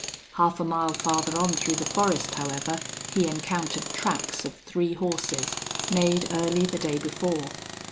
Half a mile farther on through the forest, however, he encountered tracks of three horses, made early the day before.